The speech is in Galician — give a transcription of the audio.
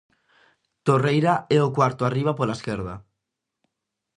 Torreira é o cuarto arriba pola esquerda.